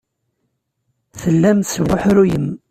Tellam tesbuḥruyem.